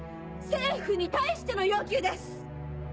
政府に対しての要求です！